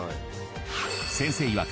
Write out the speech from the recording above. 先生いわく